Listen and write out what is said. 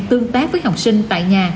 tương tác với học sinh tại nhà